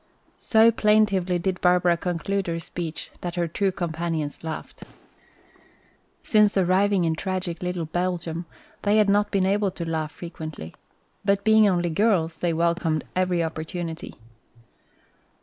So plaintively did Barbara conclude her speech that her two companions laughed. Since arriving in tragic little Belgium they had not been able to laugh frequently. But being only girls they welcomed every opportunity.